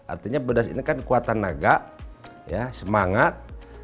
artinya pedas ini kan kuatan naga semangat